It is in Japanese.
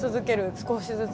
少しずつ。